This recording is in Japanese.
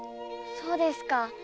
そうですか。